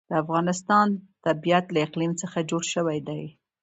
د افغانستان طبیعت له اقلیم څخه جوړ شوی دی.